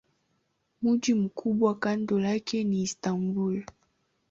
Mji mkubwa kando lake ni Istanbul.